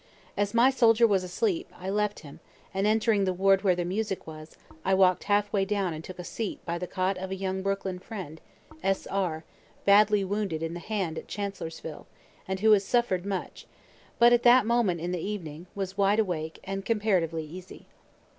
As my soldier was asleep, I left him, and entering the ward where the music was, I walk'd halfway down and took a seat by the cot of a young Brooklyn friend, S. R., badly wounded in the hand at Chancellorsville, and who has suffer'd much, but at that moment in the evening was wide awake and comparatively easy.